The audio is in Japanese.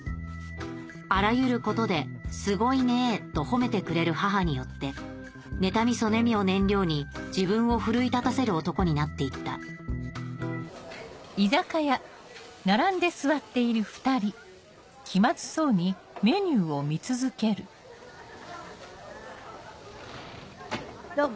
あらゆることで「すごいねぇ」と褒めてくれる母によって妬み嫉みを燃料に自分を奮い立たせる男になっていったどうも。